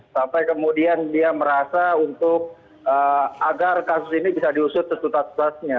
sampai kemudian dia merasa untuk agar kasus ini bisa diusut sesuntasnya